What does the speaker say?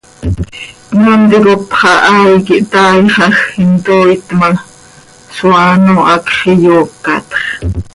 Cmaam ticop xahaai quih taaixaj, intooit ma, isoaano hacx iyoocatx.